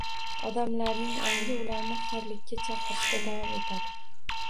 Odamlarning ongi ularni xorlikka chaqirishda davom etadi.